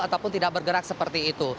ataupun tidak bergerak seperti itu